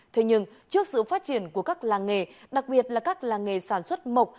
thế nhưng trước sự phát triển của các làng nghề đặc biệt là các làng nghề sản xuất mộc